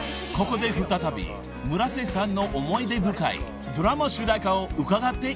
［ここで再び村瀬さんの思い出深いドラマ主題歌を伺っていきましょう］